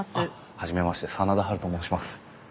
初めまして真田ハルと申します。